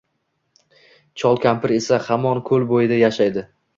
Chol-kampir esa hamon koʼl boʼyida yashaydi.